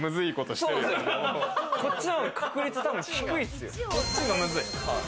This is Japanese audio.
こっちの方が確率、多分低いすよ。